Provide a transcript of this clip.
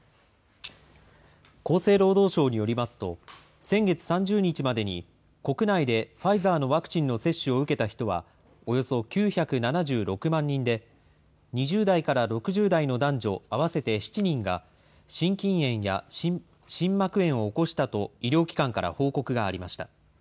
厚生労働省によりますと、先月３０日までに、国内でファイザーのワクチンの接種を受けた人はおよそ９７６万人で、２０代から６０代の男女合わせて７人が心筋炎や心膜炎を起こしたと医療機関から報告がありました。